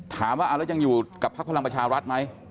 ถามว่าแล้วยังอยู่กับพักพลังประชารัฐไหม